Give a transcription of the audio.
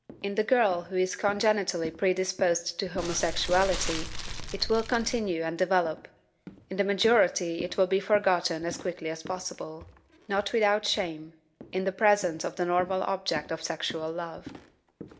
In the girl who is congenitally predisposed to homosexuality it will continue and develop; in the majority it will be forgotten as quickly as possible, not without shame, in the presence of the normal object of sexual love.